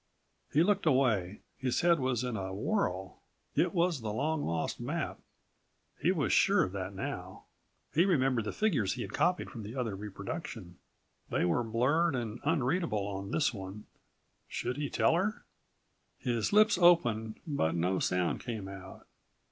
He looked away. His head was in a whirl It was the long lost map; he was sure of that now. He remembered the figures he had copied from that other reproduction. They were blurred and unreadable on this one. Should he tell her? His lips opened but no sound came out.